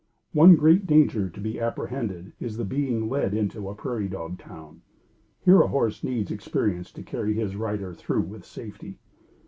One great danger to be apprehended is the being led into a prairie dog town. Here a horse needs experience to carry his rider through with safety.